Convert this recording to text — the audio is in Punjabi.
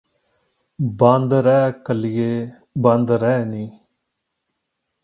ਬੰਦ ਰਹਿ ਕਲੀਏ ਬੰਦ ਰਹਿ ਨੀ